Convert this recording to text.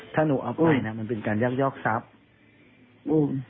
ถ้าหนูเอาไปนะมันเป็นการยากยอกทรัพย์อืม